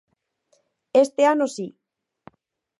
Este ano si.